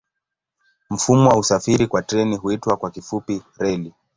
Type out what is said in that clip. Mfumo wa usafiri kwa treni huitwa kwa kifupi reli.